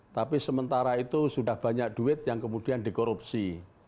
tapi sementara itu sudah banyak duit yang kemudian dikorupsi